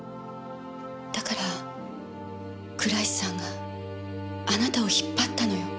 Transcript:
だから倉石さんがあなたを引っ張ったのよ。